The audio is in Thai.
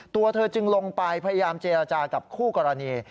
ตัวเธอจึงลงไปพยายามเจรจากับคู่กรณี